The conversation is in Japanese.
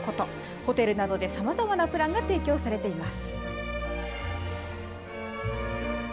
ホテルなどでさまざまなプランが提供されています。